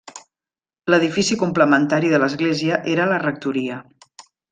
L'edifici complementari de l'església era la rectoria.